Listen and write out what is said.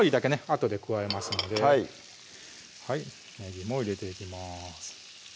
あとで加えますのでねぎも入れていきます